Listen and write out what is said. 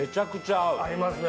・合いますね・・